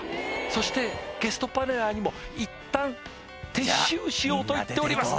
そしてゲストパネラーにもいったん撤収しようと言っております